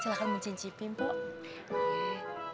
silahkan mencicipi mbak